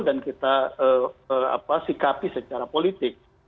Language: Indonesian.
dan kita sikapi secara politik